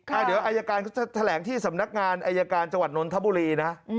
อายการก็จะแถลงที่สำนักงานอายการจังหวัดน้นทะบุรีนะ